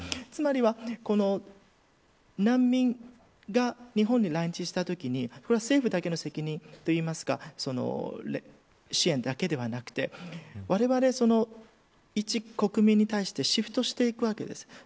つまりは、難民が日本に来日したときにこれは政府だけの責任というか支援だけではなくてわれわれ、いち国民に対してシフトしていくわけです。